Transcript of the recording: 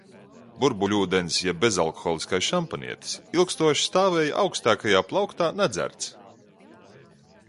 Burbuļūdens jeb bezalkoholiskais šampanietis ilgstoši stāvēja augstākajā plauktā nedzerts.